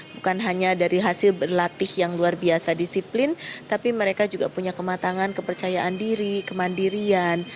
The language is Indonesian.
bukan hanya dari hasil berlatih yang luar biasa disiplin tapi mereka juga punya kematangan kepercayaan diri kemandirian